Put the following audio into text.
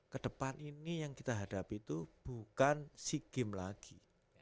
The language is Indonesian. ke depan ini yang kita hadapi itu bukan si game lagi